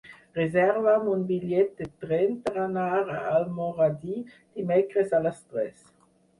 Reserva'm un bitllet de tren per anar a Almoradí dimecres a les tres.